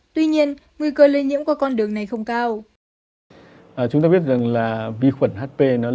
tuy nhiên nguy cơ lây nhiễm qua con đường này không cao